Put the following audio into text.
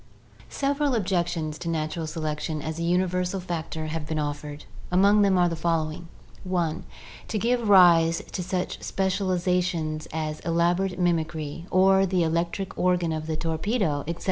Several objections to natural selection as a universal factor have been offered. Among them are the following: (1) To give rise to such specializations as elaborate mimicry, or the electric organ of the torpedo, etc.